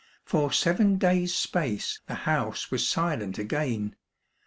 For seven days* space the house was silent again.